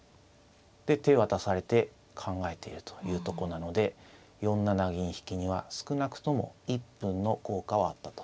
で手渡されて考えているというとこなので４七銀引には少なくとも１分の効果はあったと。